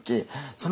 その